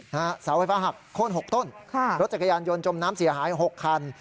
เสาไฟฟ้าหักโค้นหกต้นค่ะรถจักรยานยนต์จมน้ำเสียหายหกคัน